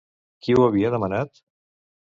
Qui ho havia demanat?